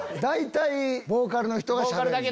大体ボーカルの人がしゃべる。